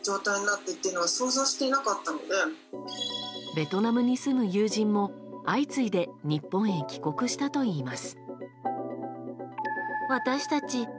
ベトナムに住む友人も相次いで日本へ帰国したといいます。